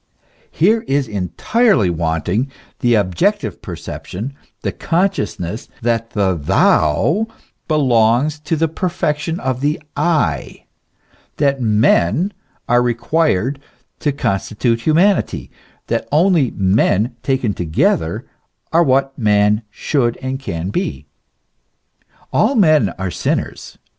* Here is entirely wanting the objective perception, the con sciousness, that the tlwu belongs to the perfection of the /, that men are required to constitute humanity, that only men taken together are what man should and can be. All men are sinners.